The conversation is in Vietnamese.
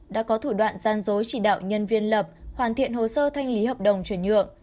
đã có thủ đoạn gian dối chỉ đạo nhân viên lập hoàn thiện hồ sơ thanh lý hợp đồng chuyển nhượng